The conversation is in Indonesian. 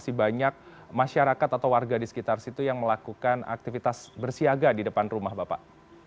masih banyak masyarakat atau warga di sekitar situ yang melakukan aktivitas bersiaga di depan rumah bapak